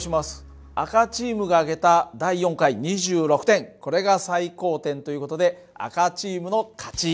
赤チームがあげた第４回２６点これが最高点という事で赤チームの勝ち。